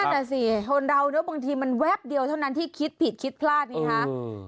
ก็นั่นแหละสิคนเราเนี่ยบางทีมันแวบเดียวเท่านั้นที่คิดผิดคิดพลาดเนี่ยค่ะ